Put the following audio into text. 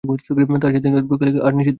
তাহার সেদিনকার বৈকালিক আহার নিষিদ্ধ হইল।